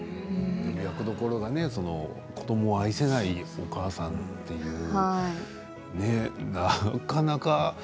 役どころが子どもを愛せないお母さんというなかなか。